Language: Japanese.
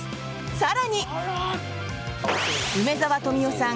更に、梅沢富美男さん